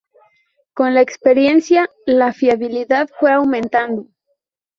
Con la experiencia la fiabilidad fue aumentando.